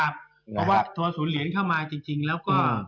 เพราะว่าพอศูนย์เหรียญเข้ามาจริงแล้วก็